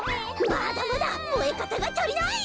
まだまだもえかたがたりない！